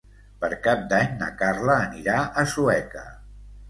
Per Cap d'Any na Carla anirà a Sueca.